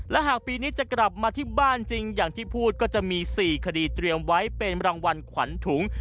และหากปีนี้จะกลับมาที่บ้านจริงอย่างที่พูดก็จะมี๔คดีเตรียมไว้เป็นรางวัลขวัญถุง